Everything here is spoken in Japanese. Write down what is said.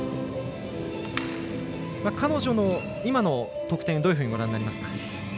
彼女の今の得点どのようにご覧になりますか？